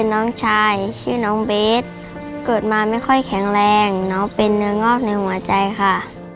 น้องเกิดมาไม่ค่อยแข็งแรงน้องเป็นเนื้องอ้อบในหัวใจค่ะ